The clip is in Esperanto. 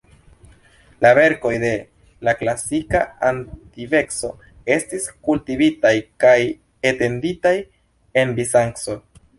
La verkoj de la klasika antikveco estis kultivitaj kaj etenditaj en Bizanco.